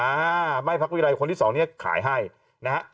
อ่าไม่พักวิรัยคนที่สองเนี่ยขายให้นะฮะ